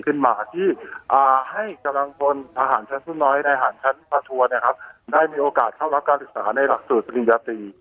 ขึ้นมาที่ให้กำลังพลทหารชั้นผู้น้อยทหารชั้นประทัวร์ได้มีโอกาสเข้ารับการศึกษาในหลักสูตรปริญญาตรี